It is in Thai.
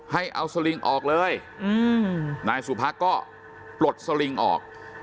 ให้เอาสลิงออกเลยนายสุพักก็ปลดสลิงออก